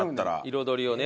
彩りをね